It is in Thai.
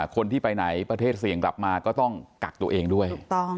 คนที่ไปไหนประเทศเสี่ยงกลับมาก็ต้องกักตัวเองด้วย